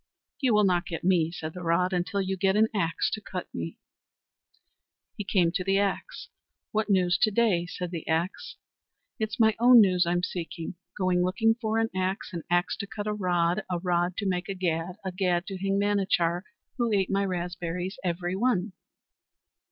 "You will not get me," said the rod, "until you get an axe to cut me." He came to the axe. "What news to day?" said the axe. "It's my own news I'm seeking. Going looking for an axe, an axe to cut a rod, a rod to make a gad, a gad to hang Manachar, who ate my raspberries every one."